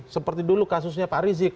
seperti dulu kasusnya pak rizik